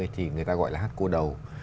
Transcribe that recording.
thì người ta gọi là hát cô đầu